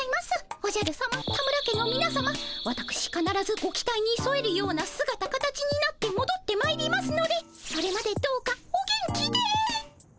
おじゃるさま田村家のみなさまわたくしかならずご期待にそえるようなすがた形になってもどってまいりますのでそれまでどうかお元気で。